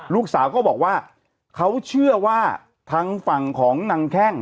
ลูกสาวก็บอกว่าเขาเชื่อว่าทางฝั่งของนางแข้ง